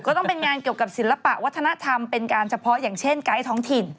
ก็เป็นงานเกี่ยวกับศิลปะวัฒนธรรมเป็นการเฉพาะอย่างเช่นไกด์ท้องถิ่น